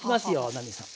奈実さん。